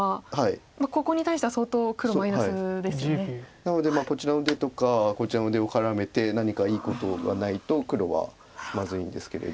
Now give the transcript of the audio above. なのでこちらの出とかこちらの出を絡めて何かいいことがないと黒はまずいんですけれど。